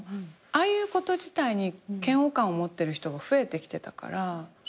ああいうこと自体に嫌悪感を持ってる人が増えてきてたから。